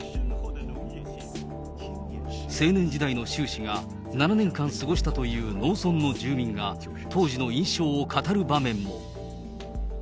青年時代の習氏が７年間過ごしたという農村の住民が、当時の印象を語る場面も。